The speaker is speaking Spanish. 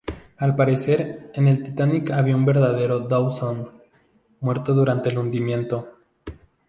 Al parecer, en el Titanic había un verdadero Dawson, muerto durante el hundimiento.